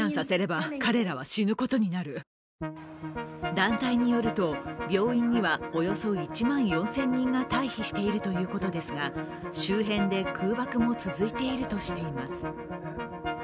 団体によると、病院にはおよそ１万４０００人が退避しているということですが周辺で空爆も続いているとしています。